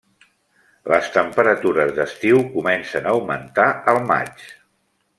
Les temperatures d'estiu comencen a augmentar al maig.